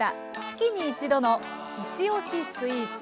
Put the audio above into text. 月に一度の「いちおしスイーツ」。